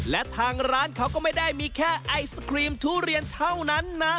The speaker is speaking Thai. และทางร้านเขาก็ไม่ได้มีแค่ไอศครีมทุเรียนเท่านั้นนะ